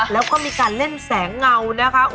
แล้วก็มีการเล่นแสงเงานะคะ